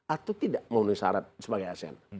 atau tidak memenuhi syarat sebagai asn